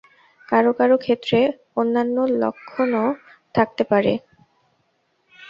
কারও কারও ক্ষেত্রে অন্যান্য লক্ষণও থাকতে পারে।